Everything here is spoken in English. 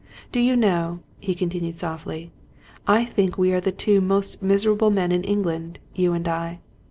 Do you know," he continued softly, " I think we are the two most miserable men in England, you and I?